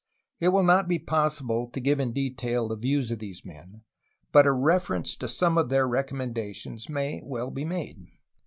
It will not be possible to give in detail the views of these men, but a reference to some of their recommendations may well be made.